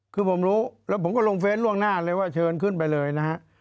คือผมรู้แล้วผมก็ลงเฟสล่วงหน้าเลยว่าเชิญขึ้นไปเลยนะฮะ